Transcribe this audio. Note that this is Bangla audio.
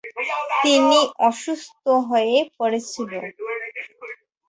তিনি অসুস্থ হয়ে পড়েছিলন।